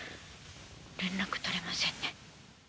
連絡、取れませんね。